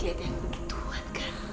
liat yang begitu kan